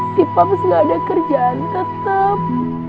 si pups nggak ada kerjaan tetap